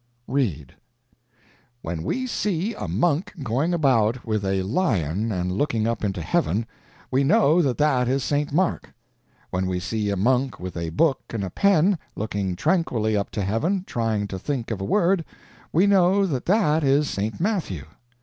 Read: "When we see a monk going about with a lion and looking up into heaven, we know that that is St. Mark. When we see a monk with a book and a pen, looking tranquilly up to heaven, trying to think of a word, we know that that is St. Matthew.